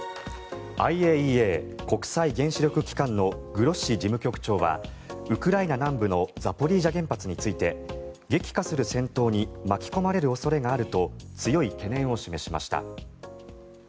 ＩＡＥＡ・国際原子力機関のグロッシ事務局長はウクライナ南部のザポリージャ原発について激化する戦闘に巻き込まれる恐れがあると強い懸念を示しました。